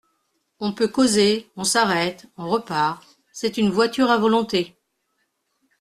On peut causer… on s’arrête… on repart… c’est une voiture à volonté…